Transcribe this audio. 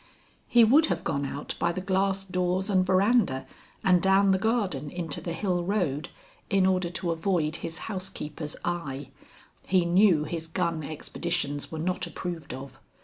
He would have gone out by the glass doors and verandah, and down the garden into the hill road, in order to avoid his housekeeper's eye. He knew his gun expeditions were not approved of.